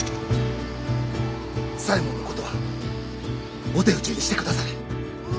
左衛門のことはお手討ちにしてくだされ。